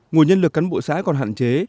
nguồn nhân lực cán bộ xã còn hạn chế